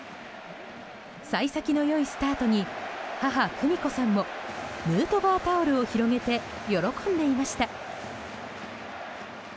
幸先の良いスタートに母・久美子さんもヌートバータオルを広げて喜んでいました。